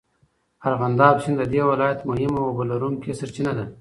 ارغنداب سیند د دې ولایت مهمه اوبهلرونکې سرچینه ده.